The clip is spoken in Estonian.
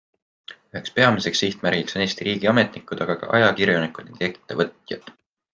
Üheks peamiseks sihtmärgiks on Eesti riigiametnikud, aga ka ajakirjanikud ning ettevõtjad.